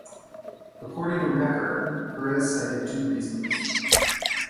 According to Reker, Perez cited two reasons.